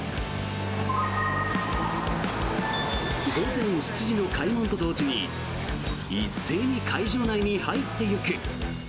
午前７時の開門と同時に一斉に会場内に入っていく。